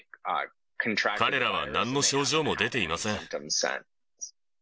彼らはなんの症状も出ていません。